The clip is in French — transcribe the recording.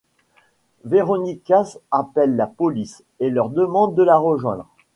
Veronica appelle la police et leur demande de la rejoindre.